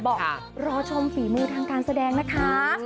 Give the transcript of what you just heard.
บอกรอชมฝีมือทางการแสดงนะคะ